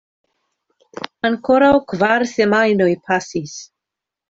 Ankoraŭ kvar semajnoj pasis.